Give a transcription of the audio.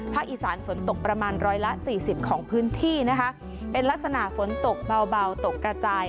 อีสานฝนตกประมาณร้อยละสี่สิบของพื้นที่นะคะเป็นลักษณะฝนตกเบาตกกระจาย